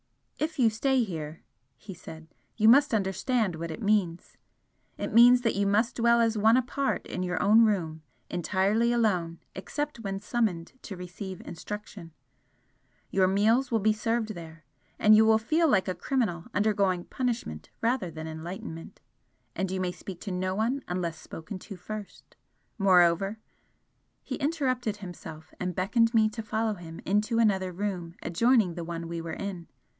"If you stay here," he said "you must understand what it means. It means that you must dwell as one apart in your own room, entirely alone except when summoned to receive instruction your meals will be served there and you will feel like a criminal undergoing punishment rather than enlightenment and you may speak to no one unless spoken to first. Moreover" he interrupted himself and beckoned me to follow him into another room adjoining the one we were in.